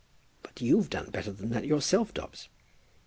"But you've done better than that yourself, Dobbs."